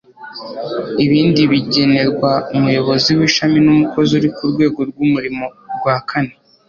ibindi bigenerwa umuyobozi w'ishami n'umukozi uri ku rwego rw'umurimo rwa kane